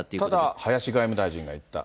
ただ林外務大臣が行った。